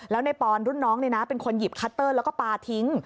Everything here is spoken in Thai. แล้วในปอนรุ่นน้องเป็นคนหยิบคัตเตอร์แล้วก็ปลาทิ้ง